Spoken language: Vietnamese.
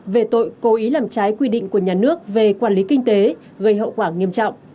về tội cố ý làm trái quy định của nhà nước về quản lý kinh tế gây hậu quả nghiêm trọng